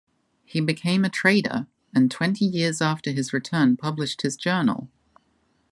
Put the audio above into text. He became a trader, and twenty years after his return published his journal.